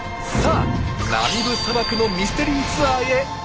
さあナミブ砂漠のミステリーツアーへ！